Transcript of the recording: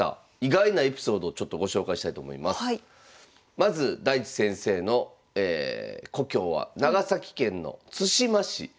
まず大地先生の故郷は長崎県の対馬市。